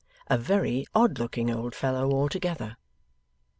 A very odd looking old fellow altogether.